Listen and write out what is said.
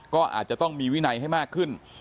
ก็อาจจะต้องมีวินัยให้มากขึ้น